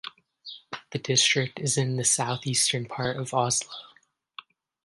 The district is in the southeastern part of Oslo.